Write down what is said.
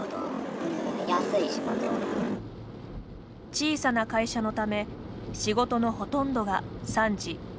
小さな会社のため仕事のほとんどが３次４次の下請け。